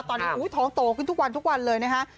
ตอนนี้ท้องโตขึ้นทุกวันทุกวันเลยนะฮะ